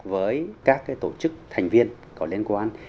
với các tổ chức thành viên có liên quan